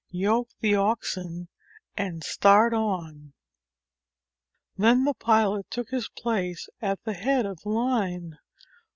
Yoke the oxen and start on." Then the pilot took his place at the head of the line.